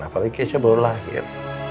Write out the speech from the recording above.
apalagi keisha baru lahir